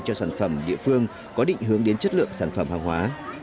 cho sản phẩm địa phương có định hướng đến chất lượng sản phẩm hàng hóa